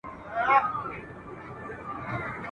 که منلی مي زندان وای ..